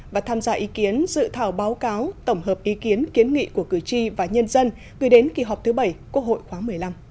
và tham gia ý kiến dự thảo báo cáo tổng hợp ý kiến kiến nghị của cử tri và nhân dân gửi đến kỳ họp thứ bảy quốc hội khóa một mươi năm